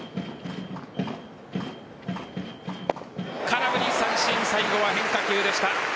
空振り三振最後は変化球でした。